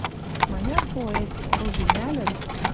Маняр поэт, оружий нӓлӹн